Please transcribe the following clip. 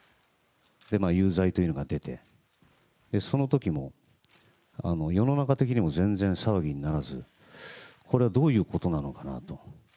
有罪というのが出て、そのときも、世の中的にも全然騒ぎにならず、これはどういうことなのかなと。